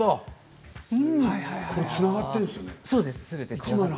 つながっているんですよね。